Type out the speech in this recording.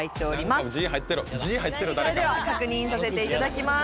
それでは確認させていただきます